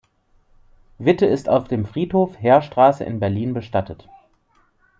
Witte ist auf dem Friedhof Heerstraße in Berlin bestattet.